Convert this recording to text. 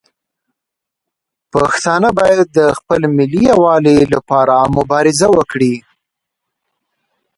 پښتانه باید د خپل ملي یووالي لپاره مبارزه وکړي.